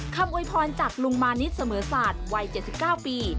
โวยพรจากลุงมานิดเสมอศาสตร์วัย๗๙ปี